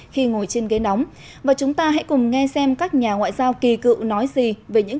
khi ngồi trên ghế nóng và chúng ta hãy cùng nghe xem các nhà ngoại giao kỳ cựu nói gì về những